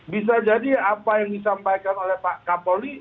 bisa jadi apa yang disampaikan oleh pak kapolri